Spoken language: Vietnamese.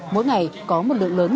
mỗi ngày có một lượng lớn người dân đến